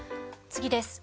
次です。